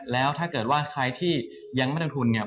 แล้วถ้าเกิดว่าใครที่ย้างมาทางทุนเนี่ย